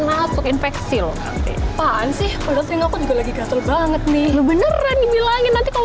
masuk infeksi loh apaan sih aku juga lagi gatal banget nih lu beneran dibilangin nanti kalau